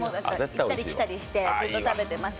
行ったり来たりして、ずっと食べてます。